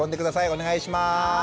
お願いします！